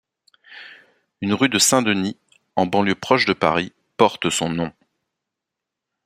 Une rue de Saint-Denis, en banlieue proche de Paris, porte son nom.